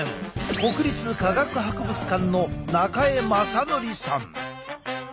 国立科学博物館の中江雅典さん！